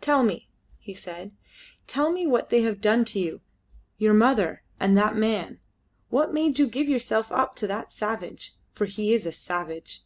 "Tell me," he said "tell me, what have they done to you, your mother and that man? What made you give yourself up to that savage? For he is a savage.